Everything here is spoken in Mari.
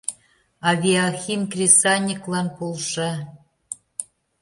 АВИАХИМ КРЕСАНЬЫКЛАН ПОЛША